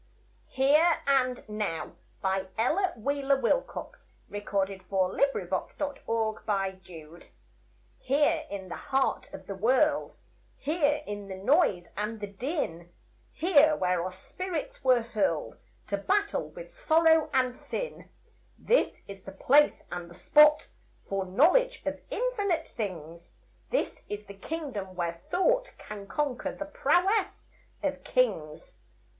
he track to bring you back Whatever went out from your mind. =Here And Now= Here, in the heart of the world, Here, in the noise and the din, Here, where our spirits were hurled To battle with sorrow and sin, This is the place and the spot For knowledge of infinite things; This is the kingdom where Thought Can conquer the prowess of kings.